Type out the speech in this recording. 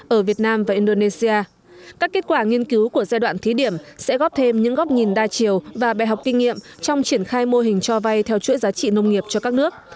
ở việt nam và indonesia các kết quả nghiên cứu của giai đoạn thí điểm sẽ góp thêm những góc nhìn đa chiều và bài học kinh nghiệm trong triển khai mô hình cho vay theo chuỗi giá trị nông nghiệp cho các nước